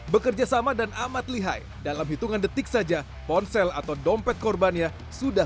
bekerja sama dan amat lihai dalam hitungan detik saja ponsel atau dompet korbannya sudah